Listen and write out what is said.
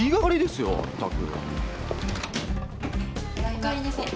おかえりなさい。